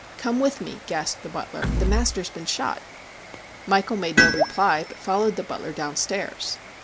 ' Come with me,' gasped the butler. ' The master's been shot.' Michael made no reply, but followed the butler downstairs.